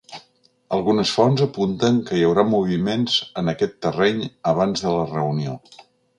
Algunes fonts apunten que hi haurà moviments en aquest terreny abans de la reunió.